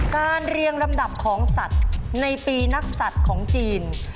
เรียงลำดับของสัตว์ในปีนักศัตริย์ของจีน